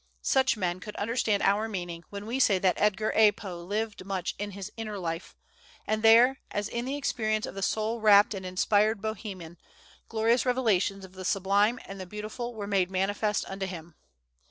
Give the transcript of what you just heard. Such men could understand our meaning, when we say that Edgar A. Poe lived much in his inner life, and there, as in the experience of the soul rapt and inspired Boehmen, glorious revelations of the sublime and the beautiful were made manifest unto him.